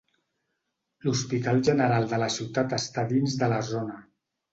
L'hospital general de la ciutat està dins de la zona.